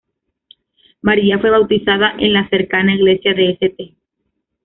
María fue bautizada en la cercana iglesia de St.